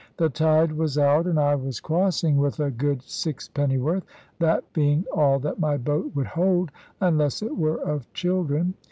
The tide was out, and I was crossing with a good sixpennyworth, that being all that my boat would hold, unless it were of children.